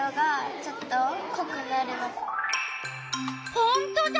ほんとだ！